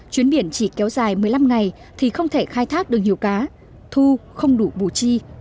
chuyến biển chỉ kéo dài một mươi năm ngày thì không thể khai thác được nhiều cá thu không đủ bù chi